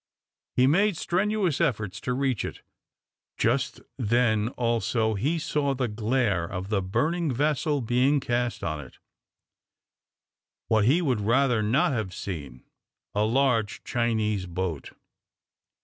He made strenuous efforts to reach it. Just then also he saw, the glare of the burning vessel being cast on it, what he would rather not have seen a large Chinese boat.